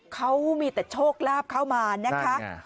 เขามีแต่โชคลาภเข้ามานะคะ